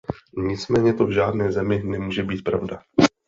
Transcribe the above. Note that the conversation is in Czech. Nicméně to v žádné zemi nemůže být pravda.